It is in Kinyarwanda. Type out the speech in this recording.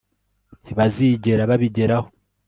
Ntibazigera babigeraho